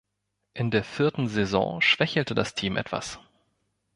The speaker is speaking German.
In der vierten Saison schwächelte das Team etwas.